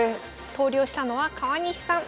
投了したのは川西さん。